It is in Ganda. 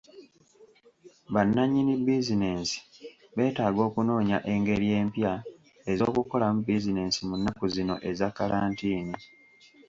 Bannannyini bizinensi beetaaga okunoonya engeri empya ez'okukolamu businensi mu nnaku zino eza kkalantiini.